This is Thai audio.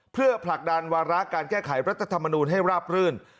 เพื่อผลักดันวาระการแก้ไขรัฐธรรมนูลให้ราบรื่น